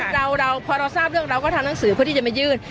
เราพอเราทราบเรื่องเราก็ทำหนังสือเพื่อที่จะมายื่น